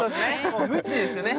もうムチですよね。